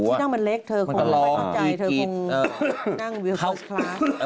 ที่นั่งมันเล็กเธอคงไม่เข้าใจเธอคงนั่งวิวเขาคล้า